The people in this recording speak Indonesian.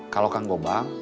kalau kan gue bang